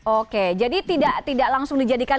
oke jadi tidak langsung dijadikan